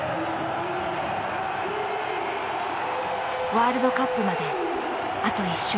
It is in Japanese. ワールドカップまであと１勝。